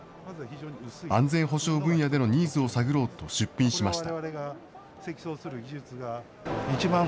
安全保障分野でのニーズを探ろうと出品しました。